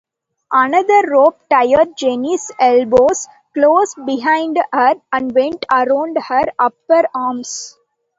Another rope tied Jenny's elbows close behind her and went around her upper arms.